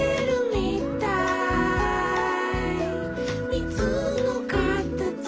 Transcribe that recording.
「みずのかたち」